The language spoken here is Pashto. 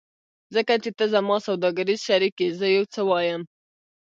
ځکه چې ته زما سوداګریز شریک یې زه یو څه وایم